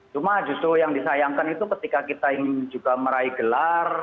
cuma justru yang disayangkan itu ketika kita ingin juga meraih gelar